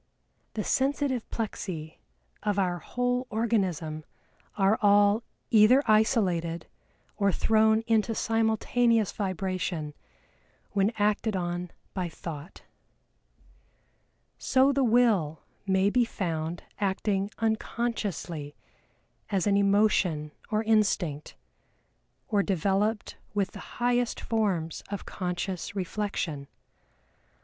"The sensitive plexi of our whole organism are all either isolated or thrown into simultaneous vibration when acted on by Thought." So the Will may be found acting unconsciously as an emotion or instinct, or developed with the highest forms of conscious reflection.